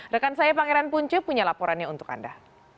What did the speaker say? rekan saya pangeran punce punya laporannya untuk anda